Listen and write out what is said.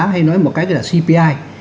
hay nói một cách là cpi